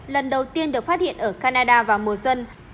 lần đầu tiên được phát hiện ở canada vào mùa xuân